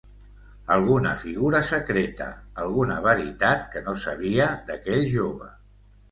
Alguna figura secreta, alguna veritat que no sabia d'aquell jove.